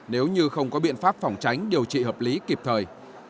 nếu như không có biện pháp phòng tránh điều trị hợp lý kịp thời